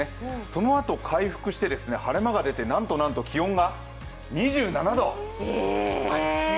そのあと回復して晴れ間が出て、なんとなんと、気温が２７度！